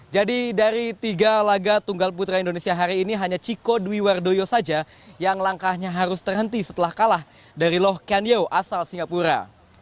jadi dari tiga laga tunggal putra indonesia hari ini hanya ciko dwiwardoyo saja yang langkahnya harus terhenti setelah kalah dari loh kanyo asal singapura